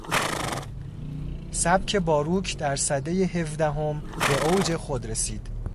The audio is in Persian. سبک باروک در سدهی هفدهم به اوج خود رسید.